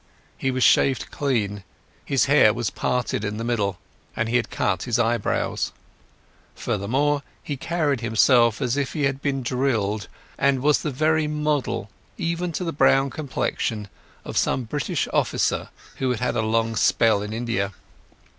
He was shaved clean, his hair was parted in the middle, and he had cut his eyebrows. Further, he carried himself as if he had been drilled, and was the very model, even to the brown complexion, of some British officer who had had a long spell in India.